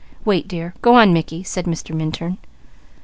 "Wait dear! Go on Mickey," said Mr. Minturn.